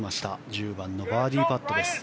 １０番のバーディーパット。